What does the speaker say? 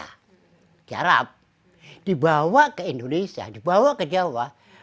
ketika mereka harap dibawa ke indonesia dibawa ke jawa